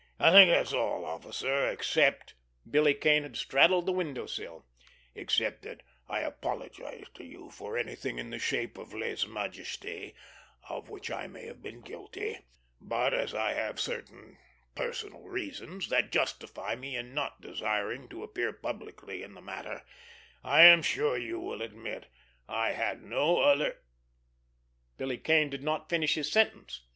I think that's all, officer, except"—Billy Kane had straddled the window sill—"except that I apologize to you for anything in the shape of lèse majesty of which I may have been guilty, but as I have certain personal reasons that justify me in not desiring to appear publicly in the matter, I am sure you will admit I had no other——" Billy Kane did not finish his sentence.